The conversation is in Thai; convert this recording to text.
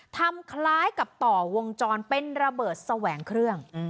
คล้ายกับต่อวงจรเป็นระเบิดแสวงเครื่อง